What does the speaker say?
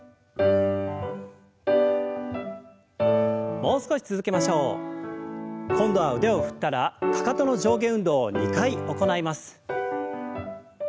もう少し続けましょう。今度は腕を振ったらかかとの上下運動を２回行います。